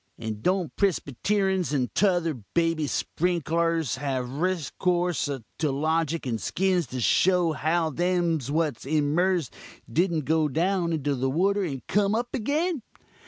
And don't Prisbeteruns and tother baby sprinklurs have reskorse to loguk and skins to show how them what's emerz'd didn't go down into the water and come up agin?